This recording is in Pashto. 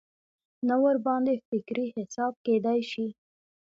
نه ورباندې فکري حساب کېدای شي.